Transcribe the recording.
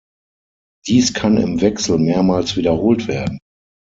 Dies kann im Wechsel mehrmals wiederholt werden.